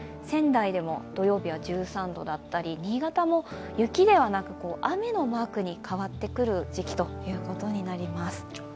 仙台でも土曜日は１３度だったり新潟でも雪ではなく雨のマークに変わってくる時期ということになります。